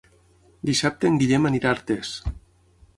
Dissabte en Guillem anirà a Artés.